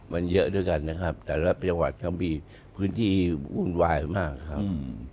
มันเยอะด้วยกันนะครับแต่ละจังหวัดก็มีพื้นที่วุ่นวายมากครับ